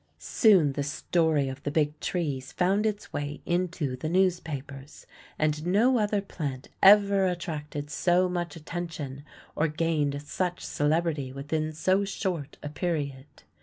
Soon the story of the Big Trees found its way into the newspapers, and no other plant ever attracted so much attention or gained such celebrity within so short a period.